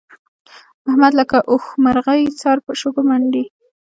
احمد لکه اوښمرغی سر په شګو منډي.